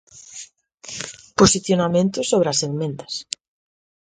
Posicionamento sobre as emendas.